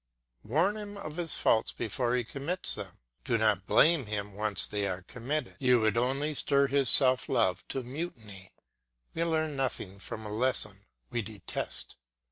Warn him of his faults before he commits them; do not blame him when once they are committed; you would only stir his self love to mutiny. We learn nothing from a lesson we detest.